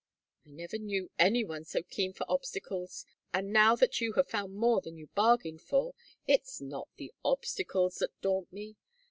"I never knew any one so keen for obstacles; and now that you have found more than you bargained for " "It's not the obstacles that daunt me.